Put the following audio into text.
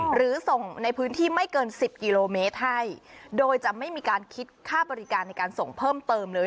หรือส่งในพื้นที่ไม่เกินสิบกิโลเมตรให้โดยจะไม่มีการคิดค่าบริการในการส่งเพิ่มเติมเลย